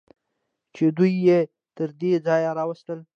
چې دوی یې تر دې ځایه راوستل.